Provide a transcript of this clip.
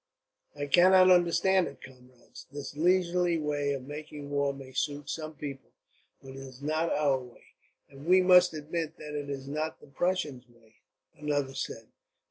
"I cannot understand it, comrades. This leisurely way of making war may suit some people, but it is not our way." "And we must admit that it is not the Prussians' way," another said.